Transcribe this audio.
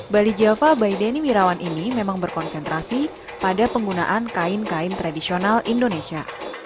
bali java by denny wirawan ini memang berkonsentrasi pada penggunaan kain kain tradisional indonesia